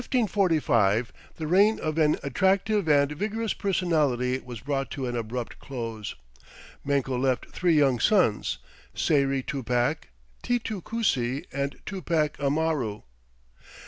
Thus, in 1545, the reign of an attractive and vigorous personality was brought to an abrupt close. Manco left three young sons, Sayri Tupac, Titu Cusi, and Tupac Amaru.